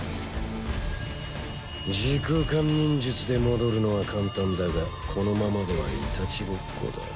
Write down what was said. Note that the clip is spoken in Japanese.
時空間忍術で戻るのは簡単だがこのままではいたちごっこだ。